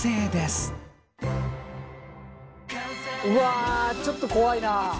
うわちょっと怖いな。